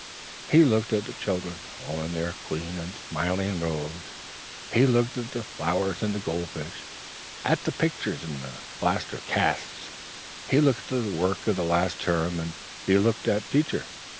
He looked at the children all in their clean and smiling rows; he looked at the flowers and the gold fish; at the pictures and the plaster casts; he looked at the work of the last term and he looked at Teacher.